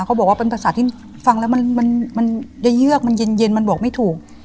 เขาบอกว่าเป็นภาษาที่ฟังแล้วมันจะเยือกมันเย็นมันบอกไม่ถูก